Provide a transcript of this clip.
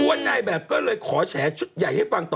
นายแบบก็เลยขอแฉชุดใหญ่ให้ฟังต่อ